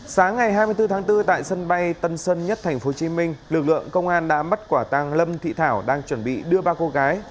sáng ngày hai mươi bốn tháng bốn tại sân bay tân sơn nhất tp hcm lực lượng công an đã bắt quả tàng lâm thị thảo đang chuẩn bị đưa ba cô gái